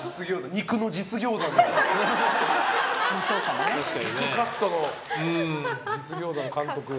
肉カットの実業団の監督。